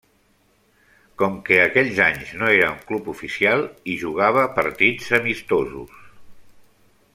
Com que aquells anys no era un club oficial, hi jugava partits amistosos.